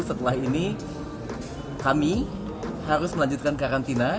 setelah ini kami harus melanjutkan karantina